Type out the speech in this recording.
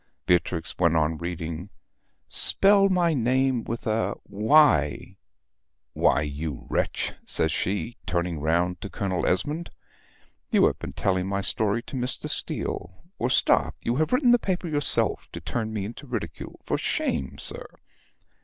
Beatrix went on reading "Spell my name with a Y why, you wretch," says she, turning round to Colonel Esmond, "you have been telling my story to Mr. Steele or stop you have written the paper yourself to turn me into ridicule. For shame, sir!"